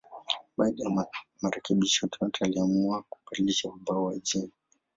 Baada ya marekebisho, Toyota iliamua kubadilisha ubao wa jina.